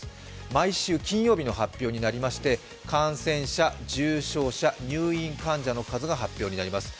毎週金曜日の発表になりまして、感染者・重症者・入院患者の数が発表になります。